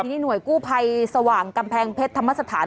นี่หน่วยกู้ภัยสว่างกำแพงเพชรธรรมสถาน